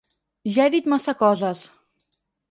Ja he dit massa coses.